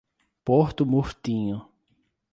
Porto Murtinho